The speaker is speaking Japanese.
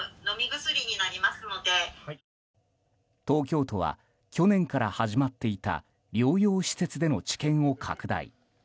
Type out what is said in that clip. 東京都は去年から始まっていた療養施設での治験を拡大。